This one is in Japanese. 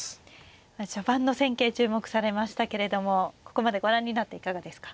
序盤の戦型注目されましたけれどもここまでご覧になっていかがですか。